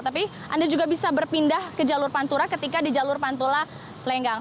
tapi anda juga bisa berpindah ke jalur pantura ketika di jalur pantula lenggang